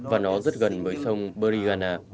và nó rất gần với sông buriganga